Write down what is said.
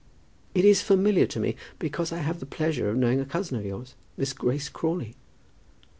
"It is familiar to me, because I have the pleasure of knowing a cousin of yours, Miss Grace Crawley."